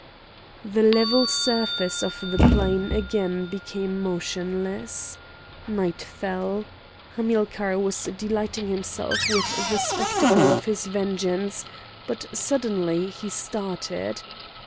The level surface of the plain again became motionless. Night fell. Hamilcar was delighting himself with the spectacle of his vengeance, but suddenly he started.